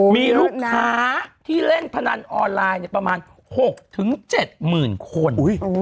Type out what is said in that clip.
มีลูกค้าที่เล่นพนันออนไลน์ประมาณ๖๗๐๐๐คน